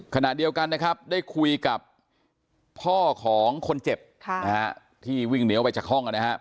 ขณะเดียวกันนะครับได้คุยกับพ่อของคนเจ็บที่วิ่งเหนียวไปจากห้องนะครับ